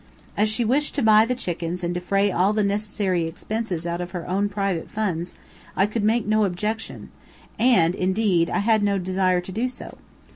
As she wished to buy the chickens and defray all the necessary expenses out of her own private funds, I could make no objections, and, indeed, I had no desire to do so.